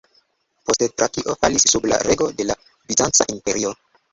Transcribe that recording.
Poste, Trakio falis sub la rego de la Bizanca Imperio.